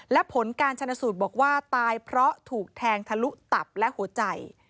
และผลการชนสูตรบอกว่าตายเพราะถูกแทงทะลุตับและหัวใจ